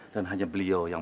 dan hanya beliau yang